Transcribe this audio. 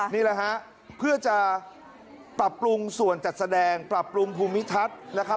นี่แหละฮะเพื่อจะปรับปรุงส่วนจัดแสดงปรับปรุงภูมิทัศน์นะครับ